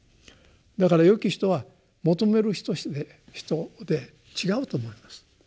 だから「よき人」は求める人で違うと思います。